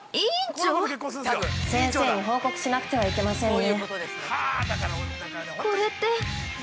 先生に報告しなくてはいけませんね。